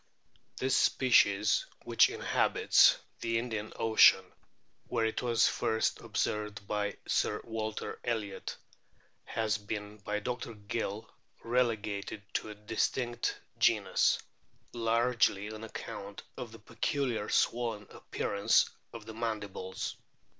This species, which inhabits the Indian Ocean, where it was first observed by Sir Walter Elliot, has been by Dr. Gill relegated to a distinct genus, largely on account of the peculiar swollen appearance of the mandibles.